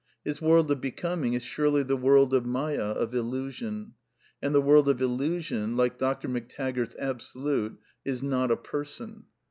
His world of " Becoming " is surely the world of Maya, . of Illusion. And the world of Illusion, like Dr. McTag '^ gart's Absolute, is " not a Person."